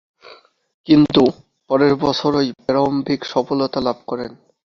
কিন্তু, পরের বছরই প্রারম্ভিক সফলতা লাভ করেন।